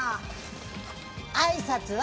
あいさつは？